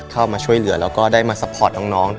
เข้ามาช่วยเหลือแล้วก็ได้มาซัพพอร์ตน้อง